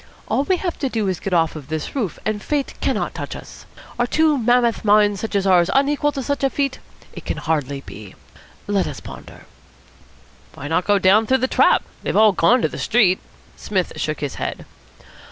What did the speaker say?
All we have to do is to get off this roof, and fate cannot touch us. Are two mammoth minds such as ours unequal to such a feat? It can hardly be. Let us ponder." "Why not go down through the trap? They've all gone to the street." Psmith shook his head.